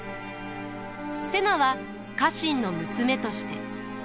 瀬名は家臣の娘として。